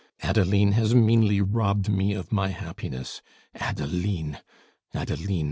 Adeline has meanly robbed me of my happiness! Adeline! Adeline!